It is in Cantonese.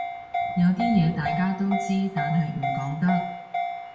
有啲嘢大家都知但係唔講得